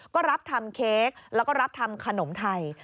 ก็รับทำเค้กแล้วก็รับทำขนมไทย